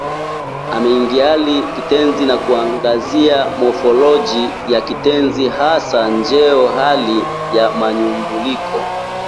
Amekiangalia kitenzi na kuangazia mofolojia ya kitenzi, hasa njeo, hali na mnyambuliko